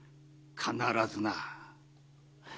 必ずな。